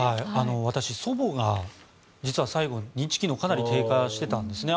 私、祖母が実は最後、認知機能がかなり低下していたんですね。